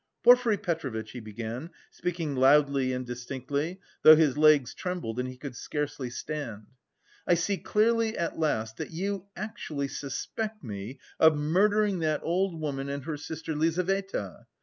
"Porfiry Petrovitch," he began, speaking loudly and distinctly, though his legs trembled and he could scarcely stand. "I see clearly at last that you actually suspect me of murdering that old woman and her sister Lizaveta.